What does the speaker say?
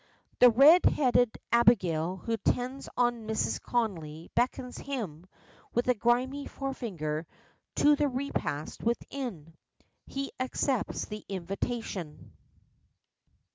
The red headed Abigail who attends on Mrs. Connolly beckons him, with a grimy forefinger, to the repast within. He accepts the invitation.